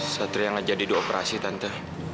satria gak jadi dioperasi tante